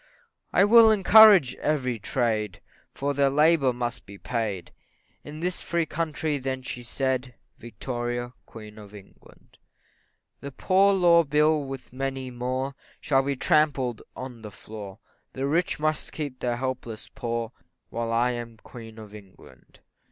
I will encourage every trade, For their labour must be paid, In this free country then she said Victoria, Queen of England; That poor law bill, with many more, Shall be trampled on the floor The rich must keep the helpless poor. While I am Queen of England.